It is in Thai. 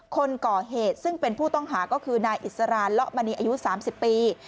คนก่อเหตุซึ่งเป็นผู้ต้องหาก็คือนายอิสรานละมณีอายุ๓๐ปี